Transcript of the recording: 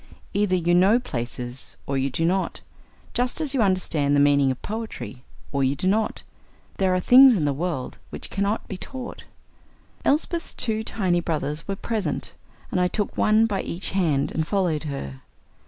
Either you know "places" or you do not just as you understand the meaning of poetry or you do not. There are things in the world which cannot be taught. Elsbeth's two tiny brothers were present, and I took one by each hand and followed her.